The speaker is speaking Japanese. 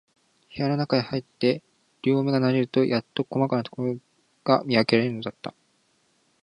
部屋のなかへ入って、両眼が慣れるとやっと、こまかなところが見わけられるのだった。